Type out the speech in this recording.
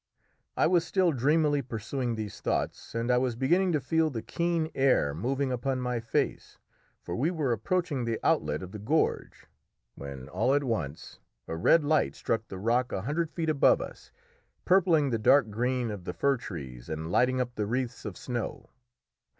I was still dreamily pursuing these thoughts, and I was beginning to feel the keen air moving upon my face, for we were approaching the outlet of the gorge, when all at once a red light struck the rock a hundred feet above us, purpling the dark green of the fir trees and lighting up the wreaths of snow.